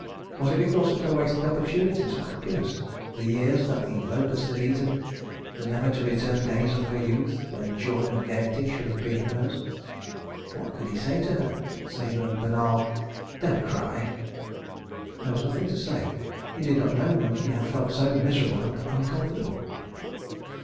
Was it because of her wasted opportunities for happiness, the years that the locust had eaten, the never to return days of her youth, when joy and gaiety should have been hers? What could he say to her?—save a banal "Don't cry"? There was nothing to say. He did not know when he had felt so miserable and uncomfortable.